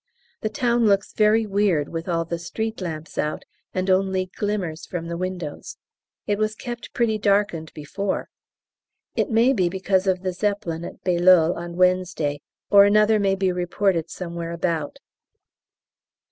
The town looks very weird with all the street lamps out and only glimmers from the windows. It was kept pretty darkened before. It may be because of the Zeppelin at Bailleul on Wednesday, or another may be reported somewhere about.